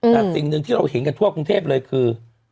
แต่สิ่งหนึ่งที่เราเห็นกันทั่วกรุงเทพเลยคือ